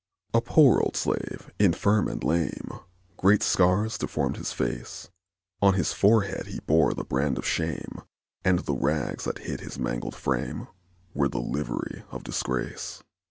A poor old slave, infirm and lame; Great scars deformed his face; On his forehead he bore the brand of shame, And the rags, that hid his mangled frame, Were the livery of disgrace.